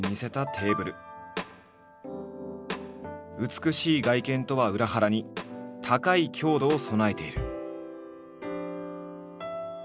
美しい外見とは裏腹に高い強度を備えている。